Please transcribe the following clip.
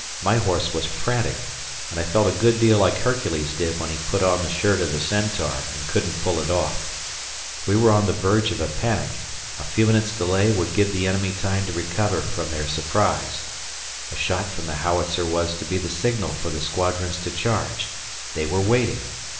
My horse was frantic, and I felt a good deal like Hercules did when he put on the shirt of the Centaur and couldn't pull it off. We were on the verge of a panic a few minutes' delay would give the enemy time to recover from their surprise. A shot from the howitzer was to be the signal for the squadrons to charge. They were waiting.